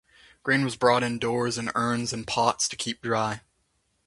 Grain was brought indoors in urns and pots to keep dry.